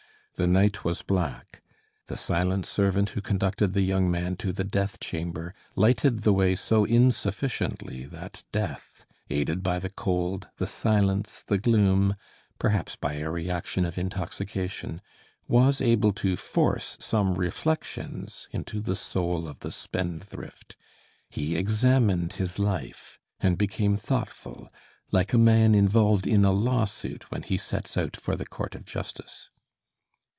The night was black. The silent servant who conducted the young man to the death chamber, lighted the way so insufficiently that Death, aided by the cold, the silence, the gloom, perhaps by a reaction of intoxication, was able to force some reflections into the soul of the spendthrift; he examined his life, and became thoughtful, like a man involved in a lawsuit when he sets out for the court of justice.